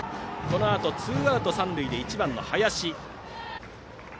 このあとツーアウト、三塁で１番の林。